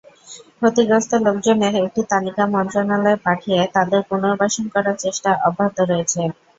ক্ষতিগ্রস্ত লোকজনের একটা তালিকা মন্ত্রণালয়ে পাঠিয়ে তাদের পুনর্বাসন করার চেষ্টা অব্যাহত রয়েছে।